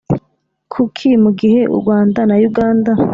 kuki mu gihe u rwanda na uganda